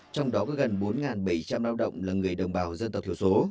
trong đó có gần bốn bảy trăm linh lao động là người đồng bào dân tộc thiểu số